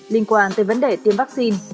linh quan tới vấn đề tiêm vaccine